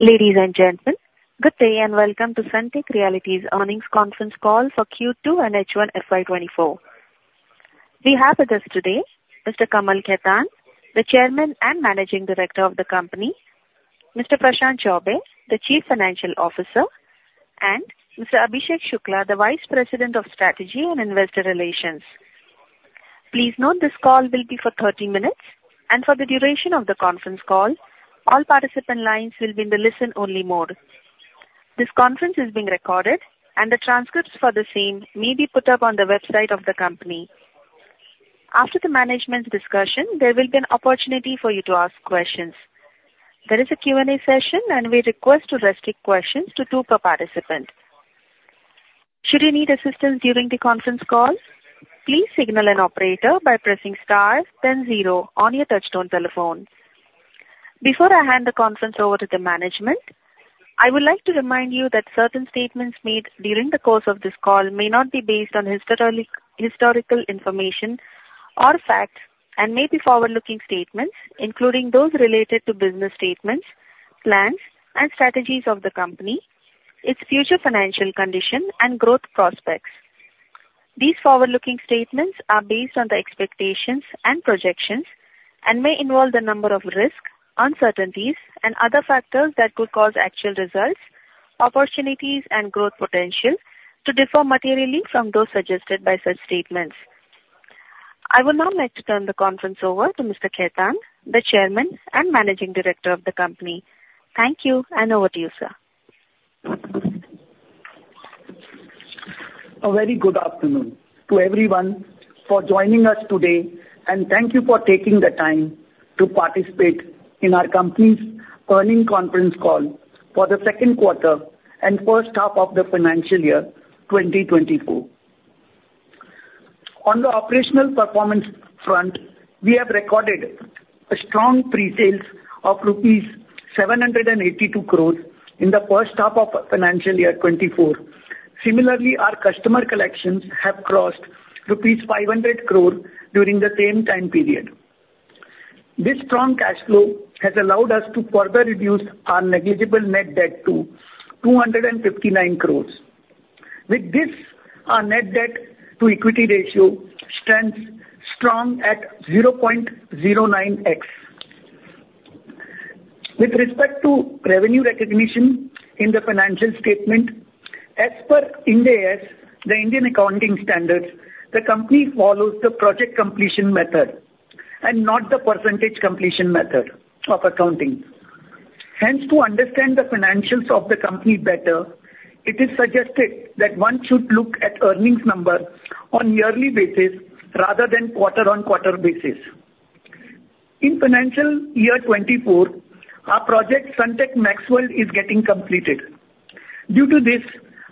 Ladies and gentlemen, good day, and welcome to Sunteck Realty's Earnings Conference Call for Q2 and H1 FY 2024. We have with us today Mr. Kamal Khetan, the Chairman and Managing Director of the company, Mr. Prashant Chaubey, the Chief Financial Officer, and Mr. Abhishek Shukla, the Vice President of Strategy and Investor Relations. Please note, this call will be for 30 minutes, and for the duration of the conference call, all participant lines will be in the listen-only mode. This conference is being recorded, and the transcripts for the same may be put up on the website of the company. After the management's discussion, there will be an opportunity for you to ask questions. There is a Q&A session, and we request to restrict questions to two per participant. Should you need assistance during the conference call, please signal an operator by pressing star then zero on your touchtone telephone. Before I hand the conference over to the management, I would like to remind you that certain statements made during the course of this call may not be based on historical information or facts, and may be forward-looking statements, including those related to business statements, plans, and strategies of the company, its future financial condition, and growth prospects. These forward-looking statements are based on the expectations and projections and may involve the number of risks, uncertainties, and other factors that could cause actual results, opportunities, and growth potential to differ materially from those suggested by such statements. I would now like to turn the conference over to Mr. Khetan, the Chairman and Managing Director of the company. Thank you, and over to you, sir. A very good afternoon to everyone for joining us today, and thank you for taking the time to participate in our company's earnings conference call for the second quarter and first half of the financial year 2024. On the operational performance front, we have recorded a strong pre-sales of rupees 782 crore in the first half of financial year 2024. Similarly, our customer collections have crossed rupees 500 crores during the same time period. This strong cash flow has allowed us to further reduce our negligible net debt to 259 crores. With this, our net debt to equity ratio stands strong at 0.09x. With respect to revenue recognition in the financial statement, as per Ind AS, the Indian Accounting Standards, the company follows the project completion method and not the percentage completion method of accounting. Hence, to understand the financials of the company better, it is suggested that one should look at earnings numbers on yearly basis rather than quarter-on-quarter basis. In financial year 2024, our project Sunteck MaxXWorld is getting completed. Due to this,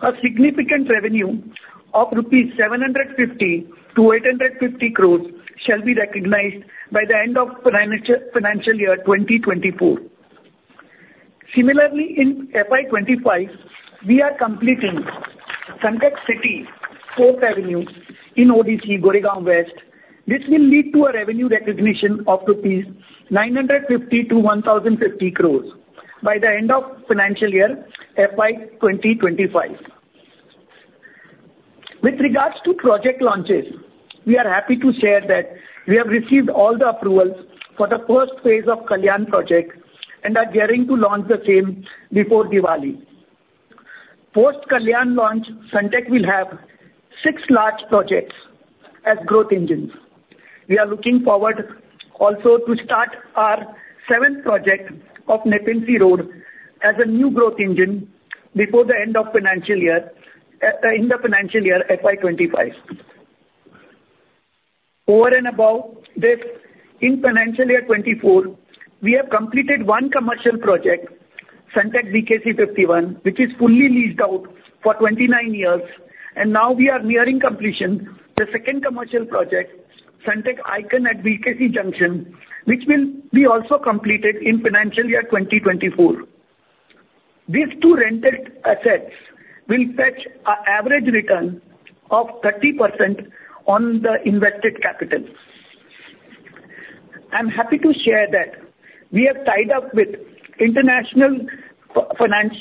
a significant revenue of rupees 750-850 crores shall be recognized by the end of financial year 2024. Similarly, in FY 2025, we are completing Sunteck City, fourth Avenue in ODC, Goregaon West. This will lead to a revenue recognition of rupees 950-1,050 crores by the end of financial year FY 2025. With regards to project launches, we are happy to share that we have received all the approvals for the first phase of Kalyan project and are gearing to launch the same before Diwali. Post Kalyan launch, Sunteck will have six large projects as growth engines. We are looking forward also to start our seventh project off Nepean Sea Road as a new growth engine before the end of financial year, in the financial year FY 2025. Over and above this, in financial year 2024, we have completed one commercial project, Sunteck BKC51, which is fully leased out for 29 years, and now we are nearing completion of the second commercial project, Sunteck Icon at BKC Junction, which will also be completed in financial year 2024. These two rented assets will fetch an average return of 30% on the invested capital. I'm happy to share that we have tied up with International Finance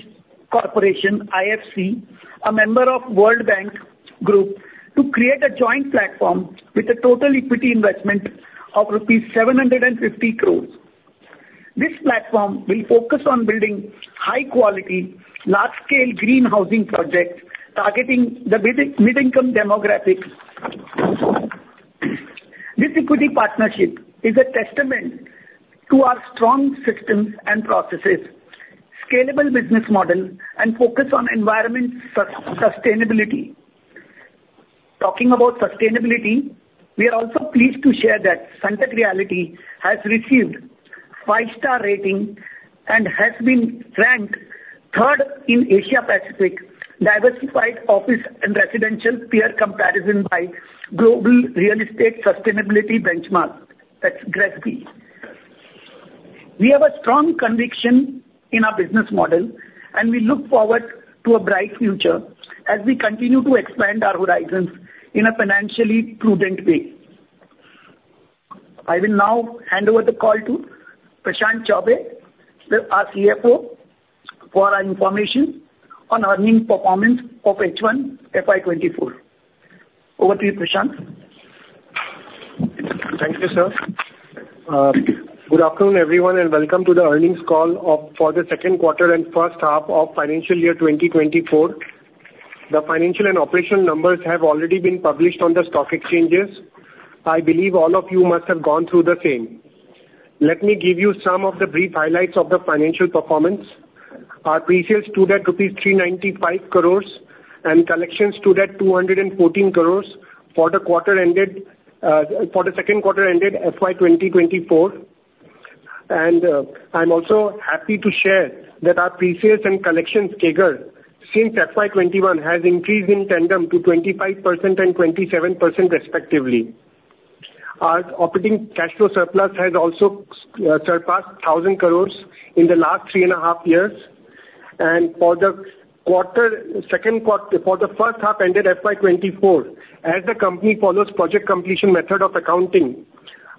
Corporation, IFC, a member of World Bank Group, to create a joint platform with a total equity investment of rupees 750 crore. This platform will focus on building high quality, large-scale green housing projects, targeting the mid, mid-income demographic. This equity partnership is a testament to our strong systems and processes, scalable business model, and focus on environmental sustainability. Talking about sustainability, we are also pleased to share that Sunteck Realty has received five-star rating and has been ranked third in Asia Pacific Diversified Office and Residential Peer Comparison by Global Real Estate Sustainability Benchmark, that's GRESB. We have a strong conviction in our business model, and we look forward to a bright future as we continue to expand our horizons in a financially prudent way.... I will now hand over the call to Prashant Chaubey, our CFO, for our information on earnings performance of H1 FY24. Over to you, Prashant. Thank you, sir. Good afternoon, everyone, and welcome to the earnings call for the second quarter and first half of financial year 2024. The financial and operational numbers have already been published on the stock exchanges. I believe all of you must have gone through the same. Let me give you some of the brief highlights of the financial performance. Our pre-sales stood at rupees 395 crore and collections stood at 214 crore for the quarter ended, for the second quarter ended FY 2024. I'm also happy to share that our pre-sales and collections CAGR since FY 2021 has increased in tandem to 25% and 27% respectively. Our operating cash flow surplus has also surpassed 1,000 crore in the last three and a half years. For the second quarter—for the first half ended FY 2024, as the company follows project completion method of accounting,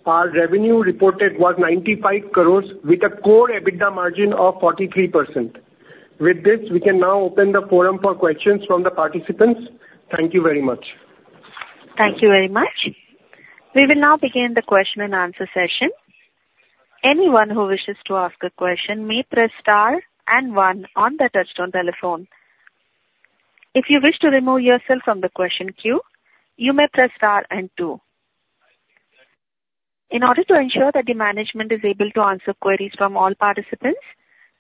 our revenue reported was 95 crore with a Core EBITDA margin of 43%. With this, we can now open the forum for questions from the participants. Thank you very much. Thank you very much. We will now begin the question and answer session. Anyone who wishes to ask a question may press star and one on the touchtone telephone. If you wish to remove yourself from the question queue, you may press star and two. In order to ensure that the management is able to answer queries from all participants,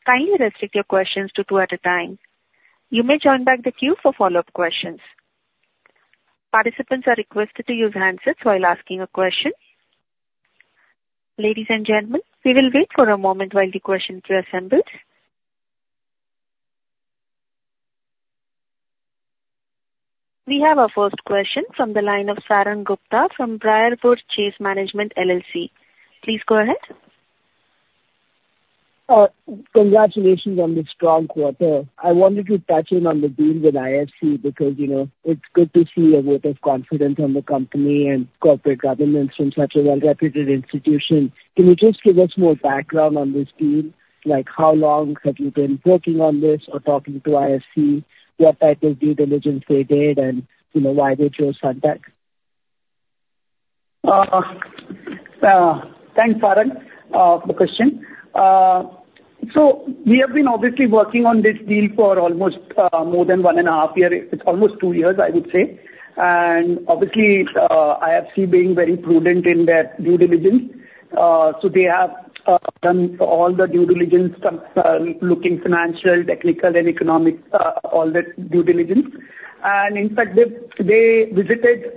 kindly restrict your questions to two at a time. You may join back the queue for follow-up questions. Participants are requested to use handsets while asking a question. Ladies and gentlemen, we will wait for a moment while the question queue assembles. We have our first question from the line of Sarang Gupta from Briarwood Chase Management LLC. Please go ahead. Congratulations on the strong quarter. I wanted to touch in on the deal with IFC because, you know, it's good to see a vote of confidence on the company and corporate governance from such a well-reputed institution. Can you just give us more background on this deal? Like, how long have you been working on this or talking to IFC, what type of due diligence they did, and, you know, why they chose Sunteck? Thanks, Sarang, for the question. We have been obviously working on this deal for almost more than one and a half years. It's almost two years, I would say. IFC being very prudent in their due diligence, they have done all the due diligence, looking financial, technical, and economic, all the due diligence. In fact, they visited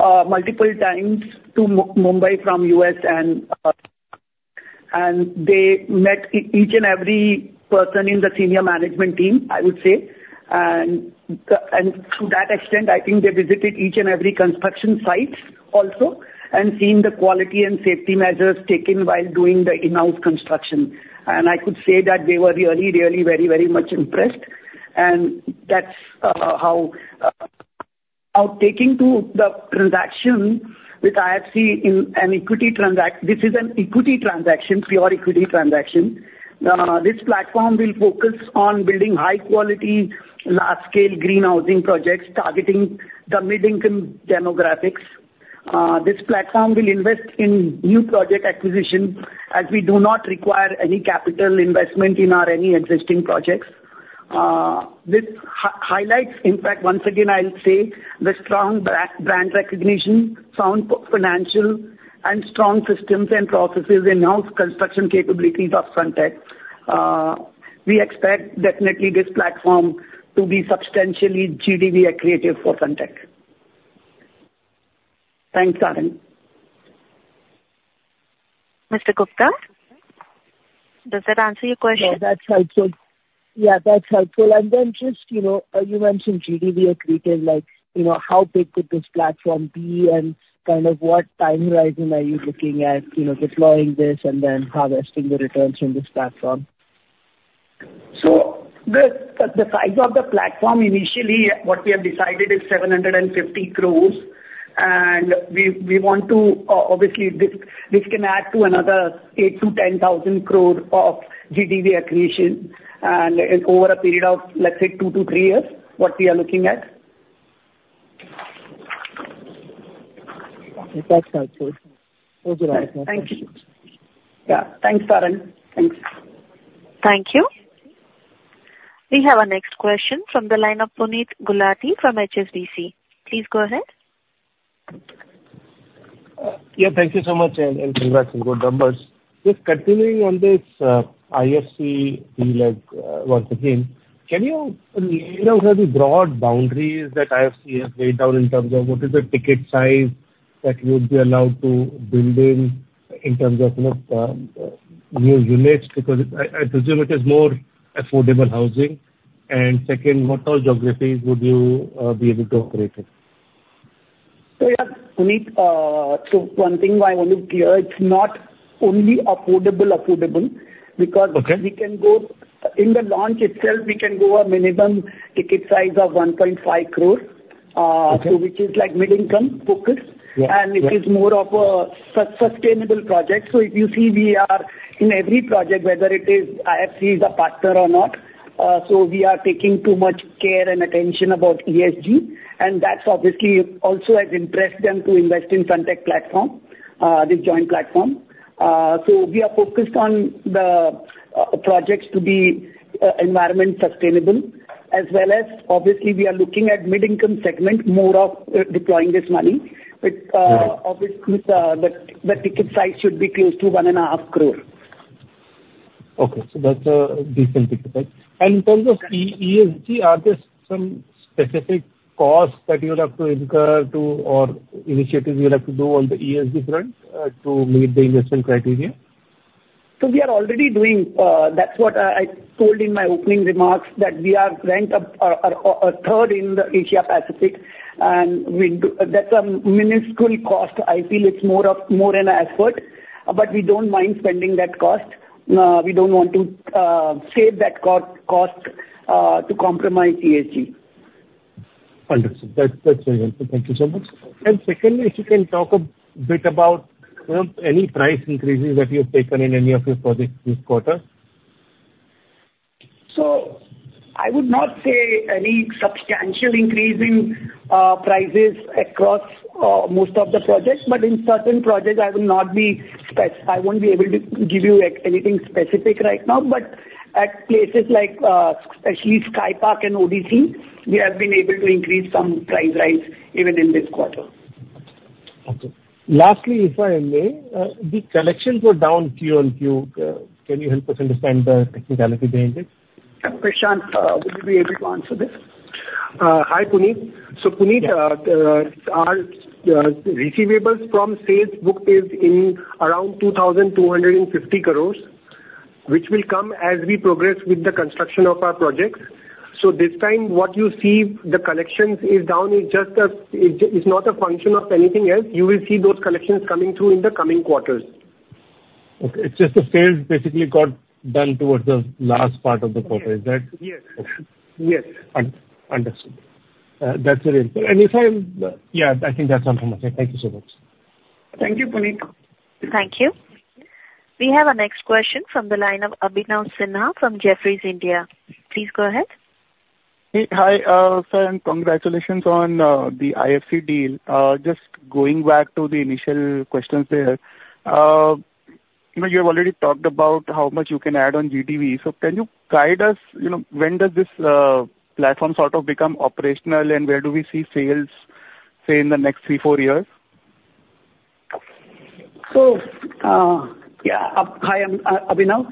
multiple times to Mumbai from the U.S. and they met each and every person in the senior management team, I would say. To that extent, I think they visited each and every construction site also and seen the quality and safety measures taken while doing the in-house construction. I could say that they were really, really, very, very much impressed. That's how... Now, talking to the transaction with IFC in an equity transaction, this is an equity transaction, pure equity transaction. This platform will focus on building high quality, large-scale green housing projects, targeting the middle income demographics. This platform will invest in new project acquisition, as we do not require any capital investment in our any existing projects. This highlights, in fact, once again, I'll say, the strong brand recognition, sound financial and strong systems and processes, enhanced construction capabilities of Sunteck. We expect definitely this platform to be substantially GDV accretive for Sunteck. Thanks, Sarang. Mr. Gupta, does that answer your question? Yeah, that's helpful. Yeah, that's helpful. And then just, you know, you mentioned GDV accretive, like, you know, how big could this platform be? And kind of what time horizon are you looking at, you know, deploying this and then harvesting the returns from this platform? So the size of the platform, initially, what we have decided is 750 crores, and we want to, obviously, this can add to another 8,000 crores-10,000 crores of GDV accretion, and over a period of, let's say, two-three years, what we are looking at. That's helpful. Thank you. Yeah. Thanks, Sarang. Thanks. Thank you. We have our next question from the line of Puneet Gulati from HSBC. Please go ahead. Yeah, thank you so much and, and congrats on good numbers. Just continuing on this, IFC deal, like, once again, can you lay out the broad boundaries that IFC has laid out in terms of what is the ticket size that you would be allowed to build in, in terms of, you know, new units? Because I, I presume it is more affordable housing. And second, what all geographies would you be able to operate in? So, yeah, Puneet, so one thing I want to clear, it's not only affordable, affordable, because- Okay. We can go, in the launch itself, we can go a minimum ticket size of 1.5 crores... so which is like mid-income focused. Yeah, yeah. And it is more of a sustainable project. So if you see, we are in every project, whether it is IFC is a partner or not, so we are taking too much care and attention about ESG, and that's obviously also has impressed them to invest in Sunteck platform, this joint platform. So we are focused on the projects to be environment sustainable, as well as obviously we are looking at mid-income segment, more of deploying this money. Right. Obviously, the ticket size should be close to 1.5 crores. Okay. So that's a decent ticket size. And in terms of ESG, are there some specific costs that you would have to incur, or initiatives you would have to do on the ESG front, to meet the investment criteria? So we are already doing that. That's what I told in my opening remarks, that we are ranked third in the Asia-Pacific, and we do. That's a minuscule cost. I feel it's more of an effort, but we don't mind spending that cost. We don't want to save that cost to compromise ESG. Understood. That's, that's very helpful. Thank you so much. Secondly, if you can talk a bit about, you know, any price increases that you have taken in any of your projects this quarter? So I would not say any substantial increase in prices across most of the projects. But in certain projects, I won't be able to give you anything specific right now. But at places like Sunteck Sky Park and ODC, we have been able to increase some price rise even in this quarter. Okay. Lastly, if I may, the collections were down Q on Q. Can you help us understand the technicality behind it? Prashant, would you be able to answer this? Hi, Puneet. So Puneet, our receivables from sales booked is in around 2,250 crores, which will come as we progress with the construction of our projects. So this time, what you see, the collections is down, is just a, it, it's not a function of anything else. You will see those collections coming through in the coming quarters. Okay. It's just the sales basically got done towards the last part of the quarter. Okay. Is that- Yes. Yes. Understood. That's very important. If I... yeah, I think that's all from us here. Thank you so much. Thank you, Puneet. Thank you. We have our next question from the line of Abhinav Sinha from Jefferies India. Please go ahead. Hey, hi, sir, and congratulations on the IFC deal. Just going back to the initial questions there, you know, you have already talked about how much you can add on GDV. So can you guide us, you know, when does this platform sort of become operational, and where do we see sales, say, in the next three-four years? Yeah. Hi, Abhinav.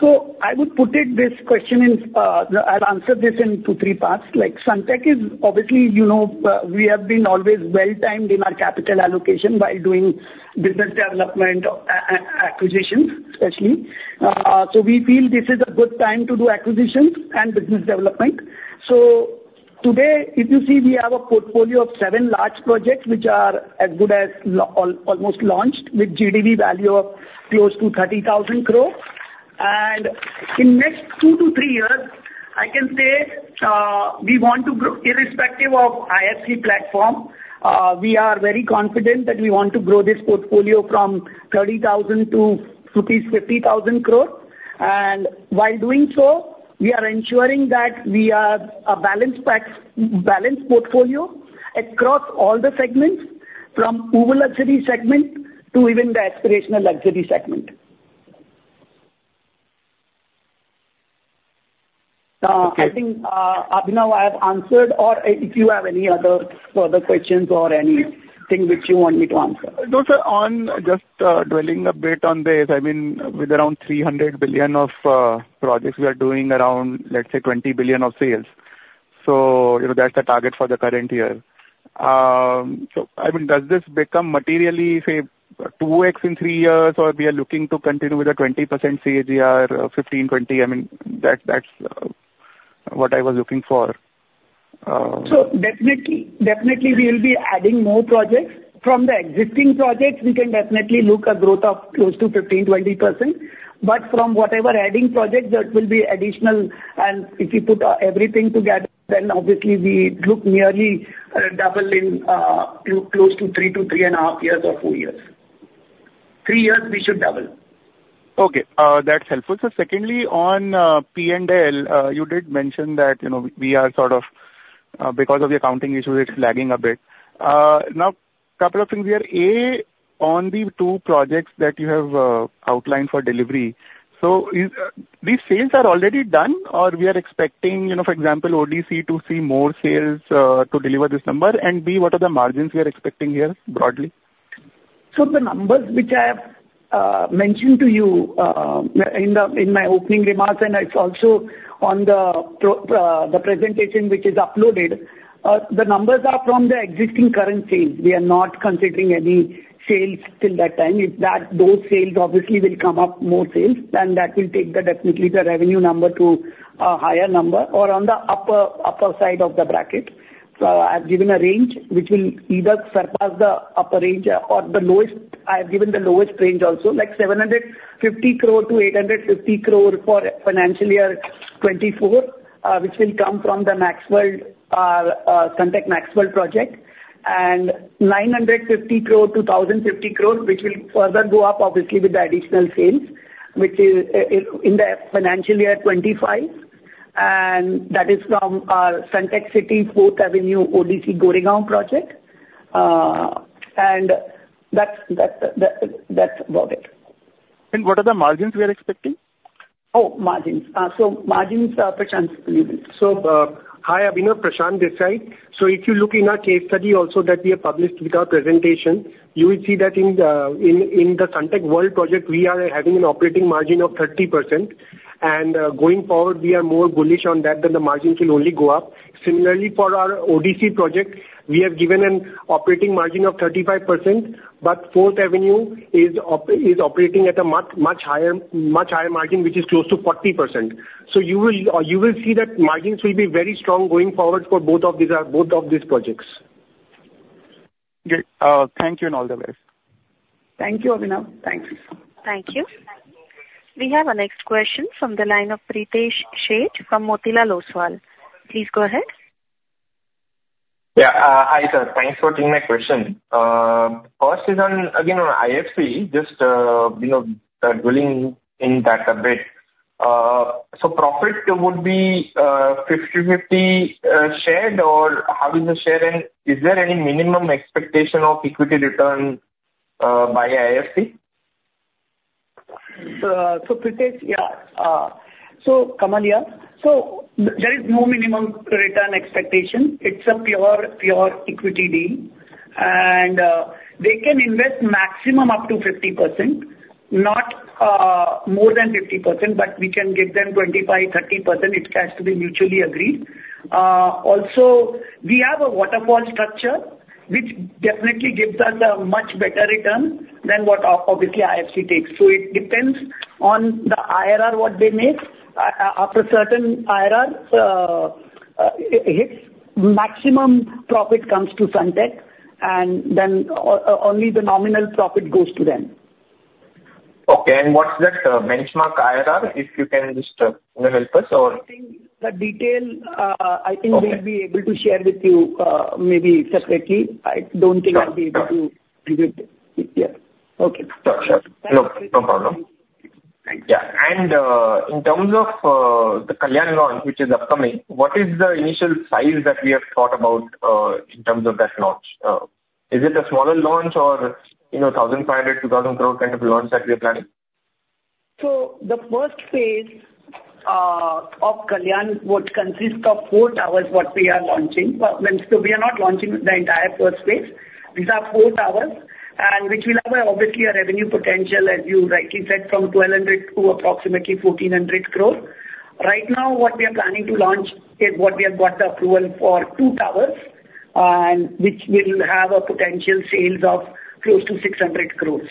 So I would put it, this question in, I'll answer this in two, three parts. Like, Sunteck is obviously, you know, we have been always well-timed in our capital allocation by doing business development acquisitions, especially. So we feel this is a good time to do acquisitions and business development. So today, if you see, we have a portfolio of seven large projects, which are as good as almost launched, with GDV value of close to 30,000 crores. And in next two to three years, I can say, we want to grow irrespective of IFC platform. We are very confident that we want to grow this portfolio from 30,000 crores to rupees 50,000 crores. While doing so, we are ensuring that we are a balanced packs, balanced portfolio across all the segments, from uber luxury segment to even the aspirational luxury segment. Okay. I think, Abhinav, I have answered, or if you have any other further questions or anything which you want me to answer. No, sir. On just, dwelling a bit on this, I mean, with around 300 billion of projects, we are doing around, let's say, 20 billion of sales. So you know, that's the target for the current year. So I mean, does this become materially, say, 2x in three years, or we are looking to continue with the 20% CAGR, 15, 20? I mean, that's, that's, what I was looking for. So definitely, definitely we will be adding more projects. From the existing projects, we can definitely look a growth of close to 15%-20%. But from whatever adding projects, that will be additional and if you put, everything together, then obviously we look nearly, double in, close to 3-3.5 years or four years. Three years, we should double. Okay, that's helpful. So secondly, on P&L, you did mention that, you know, we are sort of because of the accounting issue, it's lagging a bit. Now, couple of things here. A, on the two projects that you have outlined for delivery, so is... These sales are already done or we are expecting, you know, for example, ODC to see more sales to deliver this number? And B, what are the margins we are expecting here, broadly? So the numbers which I have mentioned to you in my opening remarks, and it's also on the presentation, which is uploaded. The numbers are from the existing current sales. We are not considering any sales till that time. If that, those sales obviously will come up more sales, then that will take the definitely the revenue number to a higher number or on the upper side of the bracket. So I've given a range which will either surpass the upper range or the lowest. I've given the lowest range also, like 750 crores-850 crores for financial year-... 2024, which will come from the MaxXWorld, Sunteck MaxXWorld project, and 950 crores-1,050 crores, which will further go up obviously with the additional sales, which is, in the financial year 2025, and that is from our Sunteck City 4th Avenue ODC Goregaon project. And that's about it. What are the margins we are expecting? Oh, margins. So margins, Prashant, please. So, hi, Abhinav, Prashant Chaubey. So if you look in our case study also that we have published with our presentation, you will see that in the, in, in the Sunteck World project, we are having an operating margin of 30%, and, going forward, we are more bullish on that than the margins will only go up. Similarly, for our ODC project, we have given an operating margin of 35%, but Fourth Avenue is operating at a much, much higher, much higher margin, which is close to 40%. So you will, you will see that margins will be very strong going forward for both of these, both of these projects. Great. Thank you, and all the best. Thank you, Abhinav. Thanks. Thank you. We have our next question from the line of Pritesh Sheth from Motilal Oswal. Please go ahead. Yeah. Hi, sir, thanks for taking my question. First is on, again, on IFC, just, you know, drilling in that a bit. So profit would be, 50/50, shared, or how is the share, and is there any minimum expectation of equity return, by IFC? Pritesh, yeah. So Kamal, so there is no minimum return expectation. It's a pure equity deal, and they can invest maximum up to 50%, not more than 50%, but we can give them 25%-30%. It has to be mutually agreed. Also, we have a waterfall structure, which definitely gives us a much better return than what obviously IFC takes. So it depends on the IRR, what they make. After a certain IRR, its maximum profit comes to Sunteck, and then only the nominal profit goes to them. Okay, and what's that benchmark IRR, if you can just help us or? I think the detail, Okay. I think we'll be able to share with you, maybe separately. Sure. I don't think I'll be able to do it. Yeah. Okay. Sure, sure. No, no problem. Thank you. And, in terms of, the Kalyan launch, which is upcoming, what is the initial size that we have thought about, in terms of that launch? Is it a smaller launch or, you know, 1,500 crores-2,000 crores kind of launch that we are planning? The first phase of Kalyan would consist of four towers, what we are launching. We are not launching the entire first phase. These are four towers, which will have, obviously, a revenue potential, as you rightly said, from 1,200 crores-1,400 crores. Right now, what we are planning to launch is what we have got the approval for, two towers, which will have a potential sales of close to 600 crores.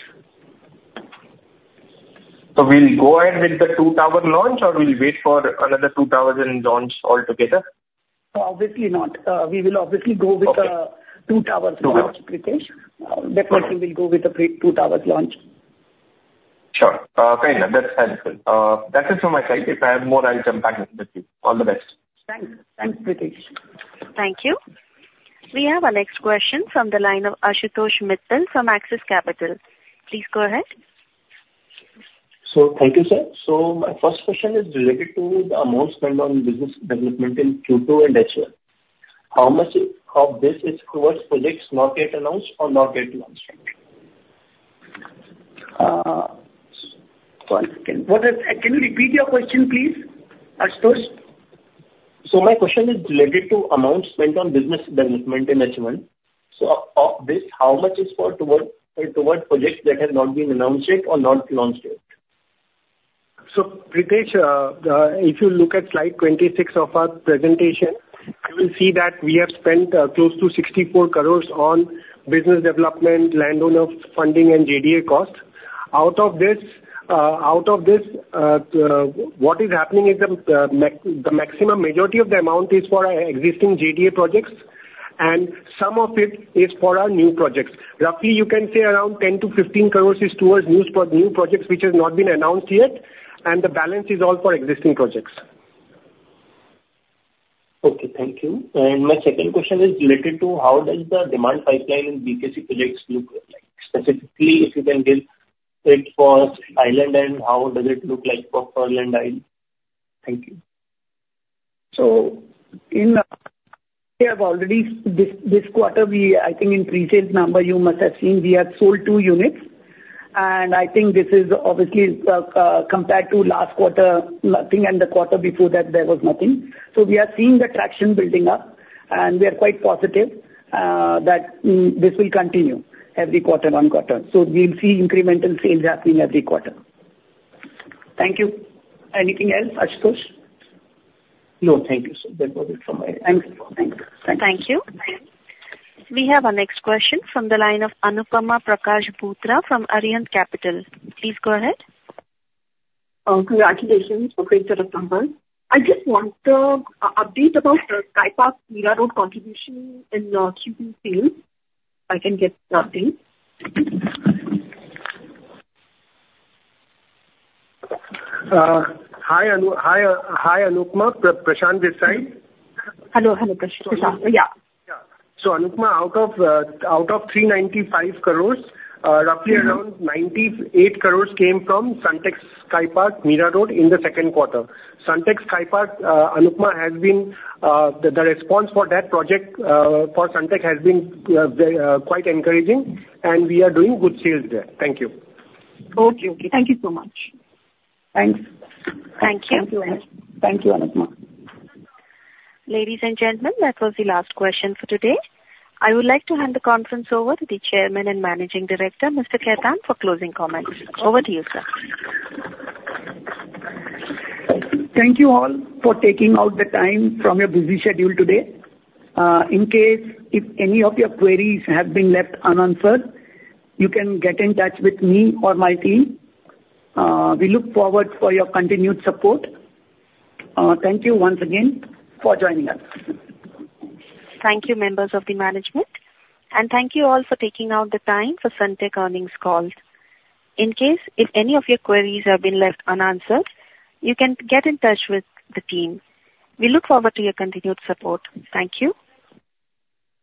So we'll go ahead with the two tower launch, or we'll wait for another two towers and launch all together? Obviously not. We will obviously go with the- Okay. - Two towers launch, Pritesh. Two towers. Uh, definitely- Got it. We'll go with the pre two towers launch. Sure. Fair enough. That's helpful. That's it from my side. If I have more, I'll come back with you. All the best. Thanks. Thanks, Pritesh. Thank you. We have our next question from the line of Ashutosh Mittal from Axis Capital. Please go ahead. Thank you, sir. My first question is related to the amount spent on business development in Q2 and H1. How much of this is towards projects not yet announced or not yet launched? One second. What is... Can you repeat your question, please, Ashutosh? My question is related to amounts spent on business development in H1. Of this, how much is towards projects that have not been announced yet or not launched yet? So Pritesh, if you look at slide 26 of our presentation, you will see that we have spent close to 64 crores on business development, landowner funding, and JDA costs. Out of this, what is happening is the maximum majority of the amount is for our existing JDA projects, and some of it is for our new projects. Roughly, you can say around 10 crores-15 crores is towards new projects, which has not been announced yet, and the balance is all for existing projects. Okay, thank you. My second question is related to how does the demand pipeline in BKC projects look like? Specifically, if you can give it for Island, and how does it look like for Pearl and Island? Thank you. So, we have already... This quarter, we—I think in pre-sales number, you must have seen, we have sold two units, and I think this is obviously compared to last quarter, nothing, and the quarter before that, there was nothing. So we are seeing the traction building up, and we are quite positive that this will continue quarter-on-quarter. So we'll see incremental sales happening every quarter. Thank you. Anything else, Ashutosh? No, thank you, sir. That was it from my end. Thank you. Thank you. We have our next question from the line of Anupama Bhootra from Arihant Capital. Please go ahead. Congratulations for great set of numbers. I just want the update about the Sunteck Sky Park, Mira Road contribution in Q2 sales, if I can get the update. Hi, Anupama. Prashant this side. Hello, hello, Prashant. Yeah. Yeah. So, Anupama, out of 395 crores, roughly around- Mm-hmm. 98 crores came from Sunteck Sky Park, Mira Road, in the second quarter. Sunteck Sky Park, Anupama, has been the response for that project for Sunteck has been quite encouraging, and we are doing good sales there. Thank you. Okay, okay. Thank you so much. Thanks. Thank you. Thank you, Anupama. Ladies and gentlemen, that was the last question for today. I would like to hand the conference over to the Chairman and Managing Director, Mr. Khetan, for closing comments. Over to you, sir. Thank you all for taking out the time from your busy schedule today. In case if any of your queries have been left unanswered, you can get in touch with me or my team. We look forward for your continued support. Thank you once again for joining us. Thank you, members of the management, and thank you all for taking out the time for Sunteck earnings call. In case, if any of your queries have been left unanswered, you can get in touch with the team. We look forward to your continued support. Thank you.